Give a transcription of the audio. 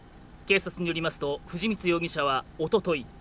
警察によりますと藤光容疑者はおととい